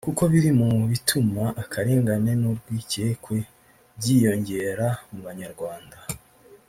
kuko biri mu bituma akarengane n’urwikekwe byiyongera m’ubanyarwanda